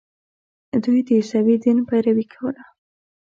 دوی د عیسوي دین پیروي کوله.